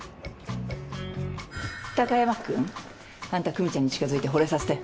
貴山君あんた久実ちゃんに近づいてほれさせて。